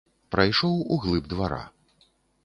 Прайшоў у глыб двара.